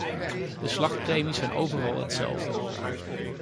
De slachtpremies zijn overal hetzelfde.